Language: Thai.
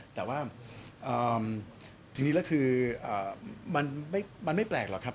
แต่ว่าจริงแล้วคือมันไม่แปลกหรอกครับ